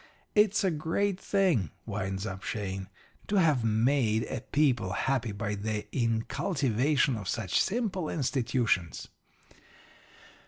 It's a great thing,' winds up Shane, 'to have made a people happy by the incultivation of such simple institutions.'